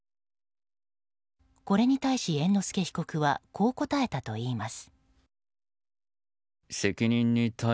これに対し、猿之助被告はこう答えたといいます。